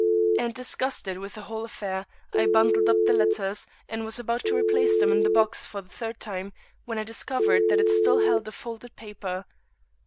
And disgusted with the whole affair I bundled up the letters, and was about to replace them in the box for the third time when I discovered that it still held a folded paper.